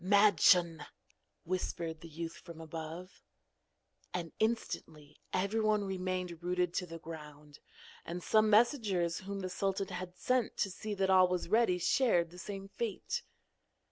'Madschun!' whispered the youth from above. And instantly everyone remained rooted to the ground; and some messengers whom the sultan had sent to see that all was ready shared the same fate.